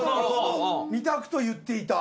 ２択と言っていた。